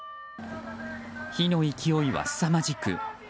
火の勢いはすさまじく